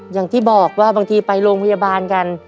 อย่างที่บอกว่าบางทีไปโรงพยาบาลกัน